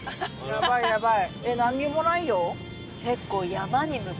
やばいやばい。